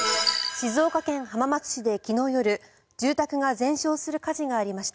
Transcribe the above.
静岡県浜松市で昨日夜住宅が全焼する火事がありました。